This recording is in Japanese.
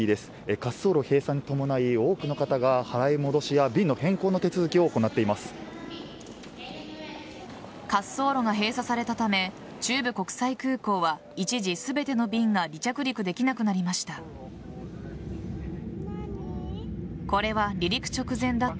滑走路は閉鎖されたため中部国際空港は一時、全ての便が離着陸できなくなりました。